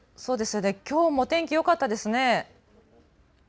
きょうもお天気よかったですね。